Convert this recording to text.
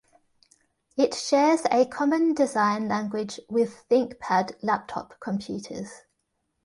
It shares a common design language with ThinkPad laptop computers.